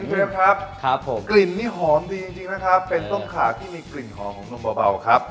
เชฟครับครับผมกลิ่นนี่หอมดีจริงนะครับเป็นต้มขาที่มีกลิ่นหอมของนมเบาครับ